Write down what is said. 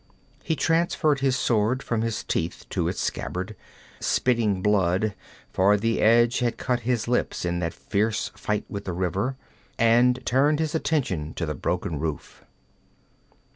He transferred his sword from his teeth to its scabbard, spitting blood for the edge had cut his lips in that fierce fight with the river and turned his attention to the broken roof.